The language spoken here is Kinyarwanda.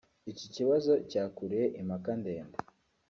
Iki kibazo cyakuruye impaka ndende